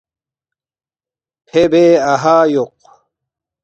فے بے اَہا یوق